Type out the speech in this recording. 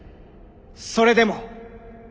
それでも。